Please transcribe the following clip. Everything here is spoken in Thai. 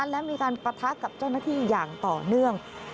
และมีการปะทะกับเจ้าหน้าที่อย่างต่อเนื่อง